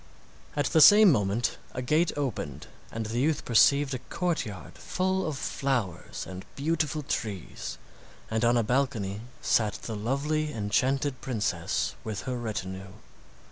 At the same moment a gate opened, and the youth perceived a courtyard full of flowers and beautiful trees, and on a balcony sat the lovely enchanted princess with her retinue.